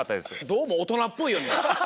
どうもおとなっぽいよね。